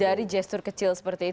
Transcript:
dari gestur kecil seperti itu